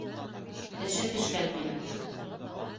Теше төшкән, тимәк.